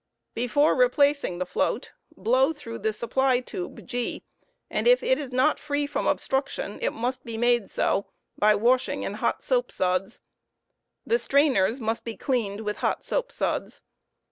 Before replacing ' the float, blow through the supply tube G, and if it is not free from obstruction it must be made so by washing in hot soap suds. The strainers must be cleaned with hot soapsuds.